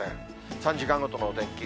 ３時間ごとのお天気。